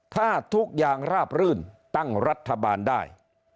ถ้าทุกอย่างราบรื่นตั้งรัฐบาลได้